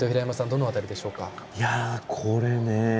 どの辺りでしょうか？